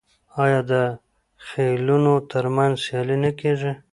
آیا د خیلونو ترمنځ سیالي نه کیږي؟